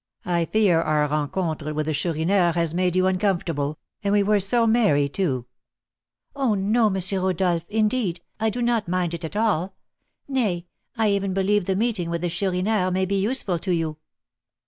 I fear our rencontre with the Chourineur has made you uncomfortable, and we were so merry, too." "Oh, no, M. Rodolph, indeed, I do not mind it at all; nay, I even believe the meeting with the Chourineur may be useful to you."